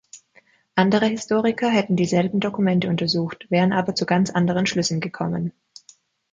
Andere Historiker hätten dieselben Dokumente untersucht, wären aber zu ganz anderen Schlüssen gekommen.